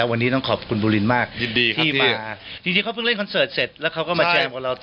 วันนี้ต้องขอบคุณบูลินมากยินดีที่มาจริงเขาเพิ่งเล่นคอนเสิร์ตเสร็จแล้วเขาก็มาเจอกับเราต่อ